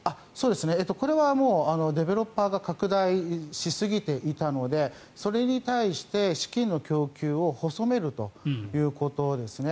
これはディベロッパーが拡大しすぎていたのでそれに対して、資金の供給を細めるということですね。